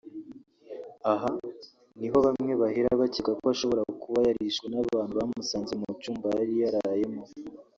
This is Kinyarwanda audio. Aho niho bamwe bahera bakeka ko ashobora kuba yarishwe n’abantu bamusanze mu cyumba yari yarayemo